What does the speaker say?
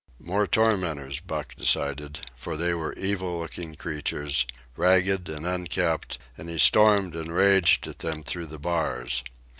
More tormentors, Buck decided, for they were evil looking creatures, ragged and unkempt; and he stormed and raged at them through the bars.